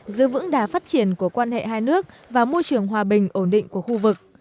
giữ vững đà phát triển của quan hệ hai nước và môi trường hòa bình ổn định của khu vực